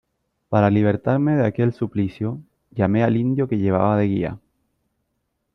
para libertarme de aquel suplicio , llamé al indio que llevaba de guía .